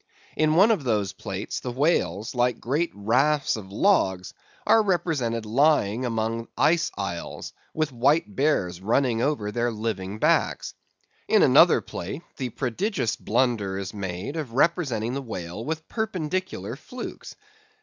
In one of those plates the whales, like great rafts of logs, are represented lying among ice isles, with white bears running over their living backs. In another plate, the prodigious blunder is made of representing the whale with perpendicular flukes.